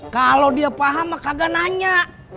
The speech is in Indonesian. kalau dia paham maka dia nanya